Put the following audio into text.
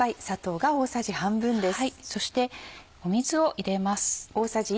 そして水を入れます。